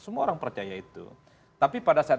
semua orang percaya itu tapi pada saat